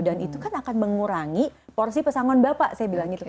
dan itu kan akan mengurangi porsi pesangon bapak saya bilang gitu